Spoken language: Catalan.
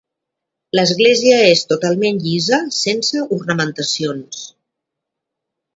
L'església és totalment llisa, sense ornamentacions.